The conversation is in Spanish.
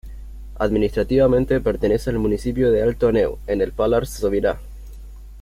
Administrativamente pertenece al municipio de Alto Aneu, en el Pallars Sobirá.